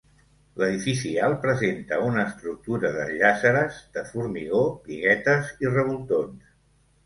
L'edifici alt presenta una estructura de jàsseres de formigó, biguetes i revoltons.